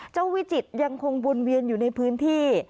วิจิตรยังคงวนเวียนอยู่ในพื้นที่